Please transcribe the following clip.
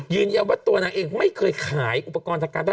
ยืนยันว่าตัวนางเองไม่เคยขายอุปกรณ์ทางการแพท